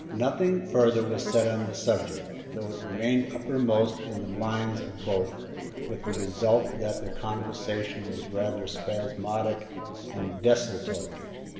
Nothing further was said on the subject, though it remained uppermost in the minds of both, with the result that their conversation was rather spasmodic and desultory.